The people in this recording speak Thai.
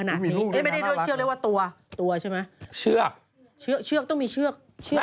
ไม่นี่แหละเชือก